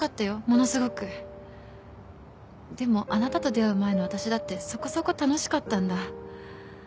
ものすごくでもあなたと出会う前の私だってそこそこ楽しかったんだ。